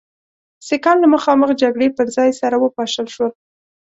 سیکهان له مخامخ جګړې پر ځای سره وپاشل شول.